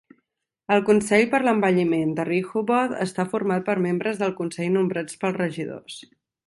El Consell per l'Envelliment de Rehoboth està format per membres del consell nombrats pels regidors.